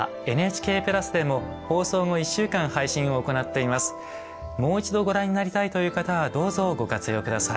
もう一度ご覧になりたいという方はどうぞご活用下さい。